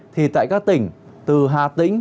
thì tại các tỉnh từ hà tĩnh